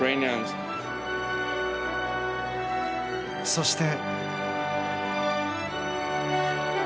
そして。